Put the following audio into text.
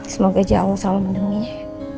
semoga aja allah selalu mendenginya